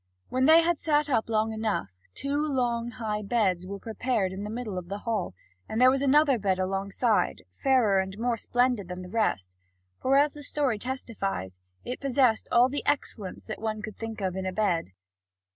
(Vv. 463 538.) When they had sat up long enough, two long, high beds were prepared in the middle of the hall; and there was another bed alongside, fairer and more splendid than the rest; for, as the story testifies, it possessed all the excellence that one could think of in a bed.